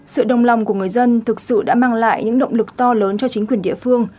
sự đồng lòng của người dân thực sự đã mang lại những động lực to lớn cho chính quyền địa phương